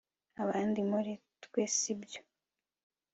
abandi muri twe sibyo